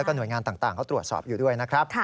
แล้วก็หน่วยงานต่างเขาตรวจสอบอยู่ด้วยนะครับ